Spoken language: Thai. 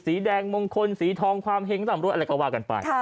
สีแดงมงคลสีทองความเห็งสำรวยอะไรก็ว่ากันไป